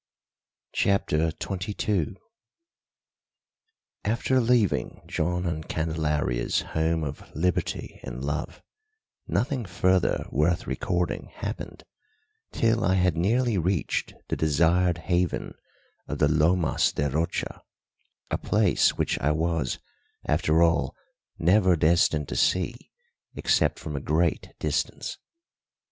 CHAPTER XXII After leaving John and Candelaria's home of liberty and love, nothing further worth recording happened till I had nearly reached the desired haven of the Lomas de Rocha, a place which I was, after all, never destined to see except from a great distance.